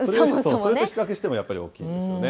それと比較してもやっぱり大きいですよね。